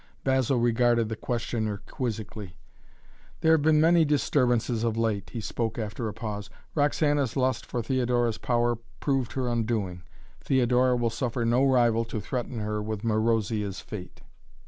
Basil regarded the questioner quizzically. "There have been many disturbances of late," he spoke after a pause. "Roxana's lust for Theodora's power proved her undoing. Theodora will suffer no rival to threaten her with Marozia's fate."